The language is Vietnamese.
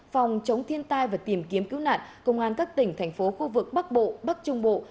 phòng chống thiên tai và tìm kiếm cứu nạn công an các tỉnh thành phố khu vực bắc bộ bắc trung bộ